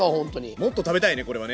もっと食べたいねこれはね。